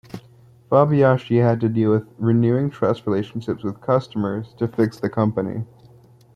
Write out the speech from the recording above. Fabiaschi had to deal with renewing trust relationships with customers, to fix the company.